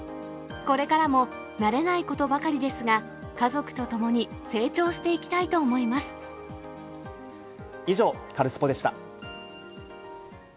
これからも慣れないことばかりですが、家族と共に成長していきた以上、カルスポっ！でした。